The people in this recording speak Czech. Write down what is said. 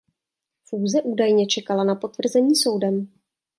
Fúze údajně čekala na potvrzení soudem.